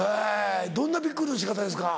どんなびっくりの仕方ですか？